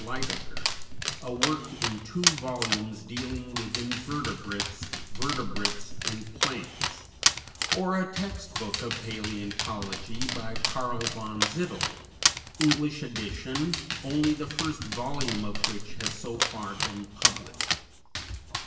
Lydekker, a work in two volumes dealing with invertebrates, vertebrates, and plants, or "A Text Book of Paleontology," by Karl von Zittel, English edition, only the first volume of which has so far been published.